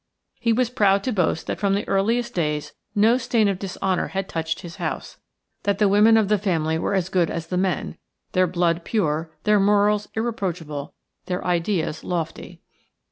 He was proud to boast that from the earliest days no stain of dishonour had touched his house, that the women of the family were as good as the men, their blood pure, their morals irreproachable, their ideas lofty.